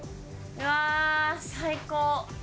うわ最高。